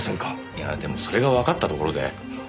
いやでもそれがわかったところで。